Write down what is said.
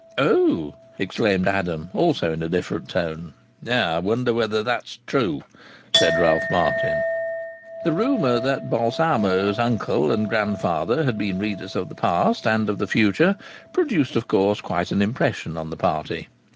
"Oh!" exclaimed Adam, also in a different tone. "I wonder whether that's true!" said Ralph Martin. The rumour that Balsamo's uncle and grandfather had been readers of the past and of the future produced of course quite an impression on the party.